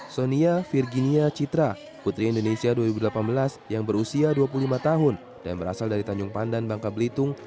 sonia virginia citra putri indonesia dua ribu delapan belas yang berusia dua puluh lima tahun dan berasal dari tanjung pandan bangka belitung